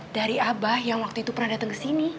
dari abah yang waktu itu pernah dateng kesini